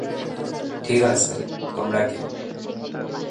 ঠিক আছে, তোমরা কে?